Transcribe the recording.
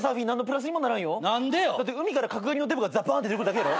だって海から角刈りのデブがザッバン出てくるだけやろ。